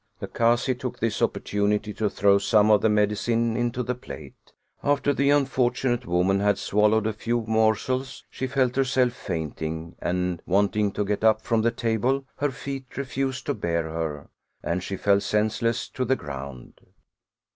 The Kazi took this opportunity to throw some of the medicine into the plate; after the unfortunate woman had swallowed a few morsels she felt herself fainting, and wanting to get up from the table, her feet refused to bear her, and she fell senseless to the ground.